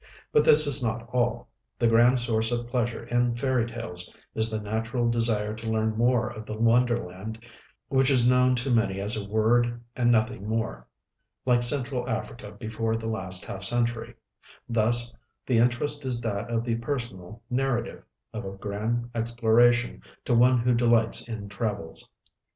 But this is not all. The grand source of pleasure in fairy tales is the natural desire to learn more of the Wonderland which is known to many as a word and nothing more, like Central Africa before the last half century; thus the interest is that of the "personal narrative" of a grand exploration, to one who delights in travels.